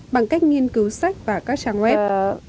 bằng cách nghiên cứu sách và các trang web